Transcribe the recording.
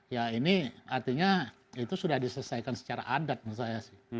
ya ini artinya itu sudah diselesaikan secara adat menurut saya sih